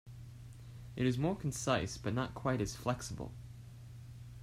It is more concise but not quite as flexible.